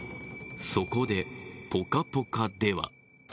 そこで「ぽかぽか」では。